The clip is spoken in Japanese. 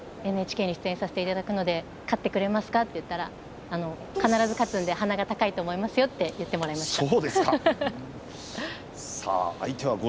ＮＨＫに出演させていただくので勝っていただけますかと言ったら必ず勝つので鼻が高いと思いますよと言ってくれました。